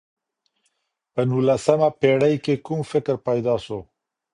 په نولسمه پېړۍ کي کوم فکر پيدا سو؟